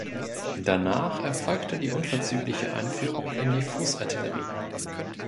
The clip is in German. Danach erfolgte die unverzügliche Einführung in die Fußartillerie.